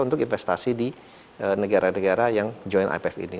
untuk investasi di negara negara yang joint ipf ini